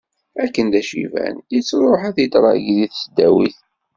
Akken d aciban, yettruḥ ad idṛagi deg tesdawit.